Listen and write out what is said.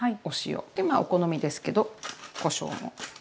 でまあお好みですけどこしょうも。